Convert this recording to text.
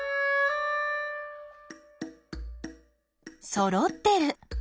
そろってる。